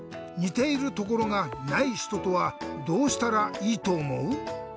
にているところがないひととはどうしたらいいとおもう？